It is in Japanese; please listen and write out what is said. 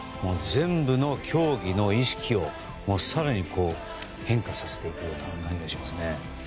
全部の競技の意識を更に変化させていくような感じがしますね。